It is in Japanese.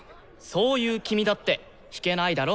そういう君だって弾けないだろ？